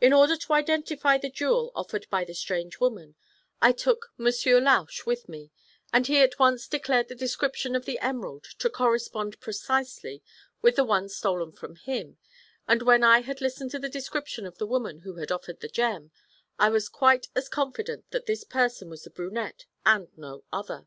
In order to identify the jewel offered by the strange woman, I took Monsieur Lausch with me, and he at once declared the description of the emerald to correspond precisely with the one stolen from him, and when I had listened to the description of the woman who had offered the gem, I was quite as confident that this person was the brunette and no other.